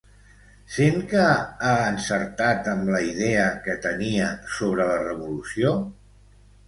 Sent que ha encertat amb la idea que tenia sobre la revolució?